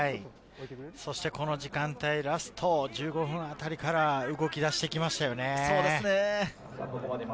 そしてこの時間帯、ラスト１５分あたりから動き出してきましたよね。